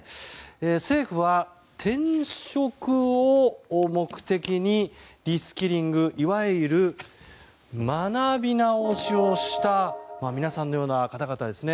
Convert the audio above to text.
政府は転職を目的にリスキリングいわゆる学び直しをした皆さんのような方々。